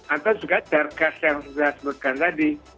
atau juga dargas yang sudah saya sebutkan tadi